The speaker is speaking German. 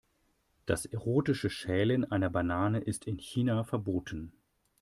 Das erotische Schälen einer Banane ist in China verboten.